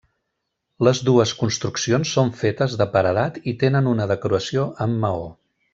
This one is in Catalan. Les dues construccions són fetes de paredat i tenen una decoració amb maó.